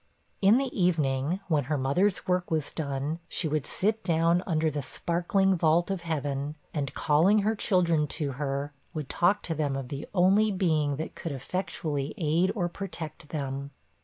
In the evening, when her mother's work was done, she would sit down under the sparkling vault of heaven, and calling her children to her, would talk to them of the only Being that could effectually aid or protect them.